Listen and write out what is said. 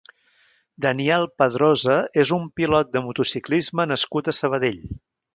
Daniel Pedrosa és un pilot de motociclisme nascut a Sabadell.